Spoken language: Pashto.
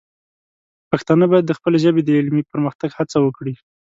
پښتانه باید د خپلې ژبې د علمي پرمختګ هڅه وکړي.